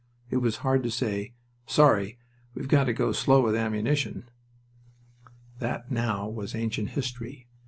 It was hard to say: "Sorry!... We've got to go slow with ammunition." That, now, was ancient history.